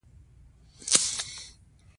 د تعارف تر څنګ به یې توصيفي او تشويقي هڅې کولې.